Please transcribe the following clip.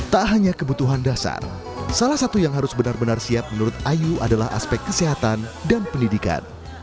tak hanya kebutuhan dasar salah satu yang harus benar benar siap menurut ayu adalah aspek kesehatan dan pendidikan